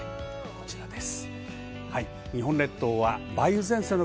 こちらです。